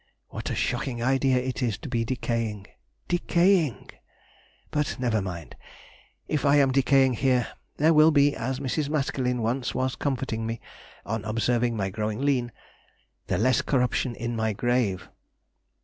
What a shocking idea it is to be decaying! decaying! But never mind—if I am decaying here, there will be, as Mrs. Maskelyne once was comforting me (on observing my growing lean), "the less corruption in my grave!"